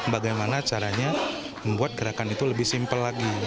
bagaimana caranya membuat gerakan itu lebih simpel lagi